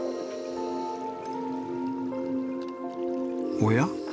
おや？